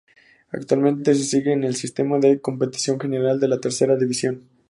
Actualmente se sigue el sistema de competición general de la Tercera División.